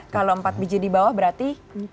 kalau empat biji dibawah berarti empat